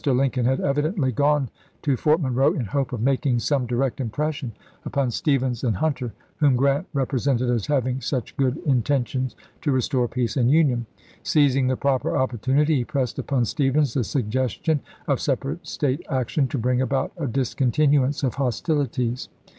Lincoln had evidently gone to Fort Monroe in hope of making some direct impression upon Stephens and Hunter, whom Grant represented as having such good intentions "to restore peace and union." Seizing the proper opportunity, he pressed upon Stephens the suggestion of separate State action to bring about a discontinuance of hostilities.